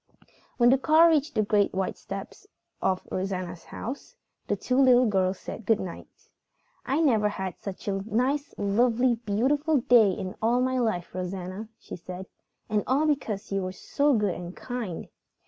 When the car reached the great white steps of Rosanna's house, the two little girls said good night. "I never had such a nice, lovely, beautiful day in all my life, Rosanna," she said. "And all because you were so good and kind."